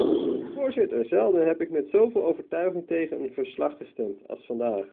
Voorzitter, zelden heb ik met zó veel overtuiging tegen een verslag gestemd als vandaag.